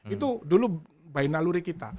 itu dulu by naluri kita